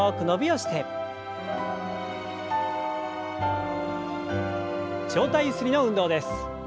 上体ゆすりの運動です。